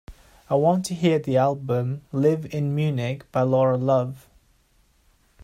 I want to hear the album Live In Munich by Laura Love.